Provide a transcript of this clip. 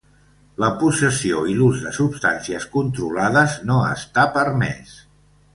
La possessió i l'ús de substàncies controlades no està permès.